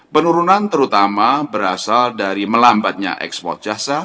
penurunan terutama berasal dari melambatnya ekspor jasa